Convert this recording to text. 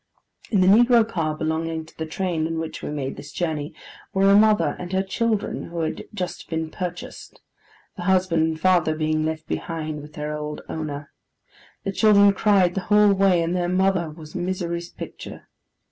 In the negro car belonging to the train in which we made this journey, were a mother and her children who had just been purchased; the husband and father being left behind with their old owner. The children cried the whole way, and the mother was misery's picture.